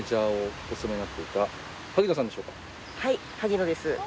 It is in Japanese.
はい萩野です。